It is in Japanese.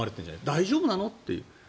大丈夫なの？という。